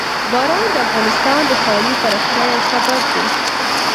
باران د افغانستان د ښاري پراختیا یو سبب دی.